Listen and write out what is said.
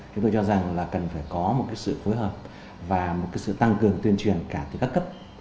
chúng tôi cho rằng là cần phải có một sự phối hợp và một sự tăng cường tuyên truyền cả từ các cấp